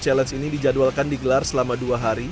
challenge ini dijadwalkan digelar selama dua hari